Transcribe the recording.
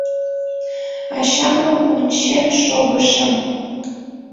Ачамым ончен шогышым.